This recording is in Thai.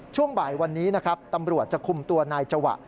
ช่วงบ่ายวันนี้นะครับตำรวจจะคุมตัวนายจวะ